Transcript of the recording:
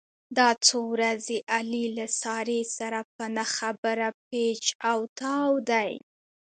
دا څو ورځې علي له سارې سره په نه خبره پېچ او تاو دی.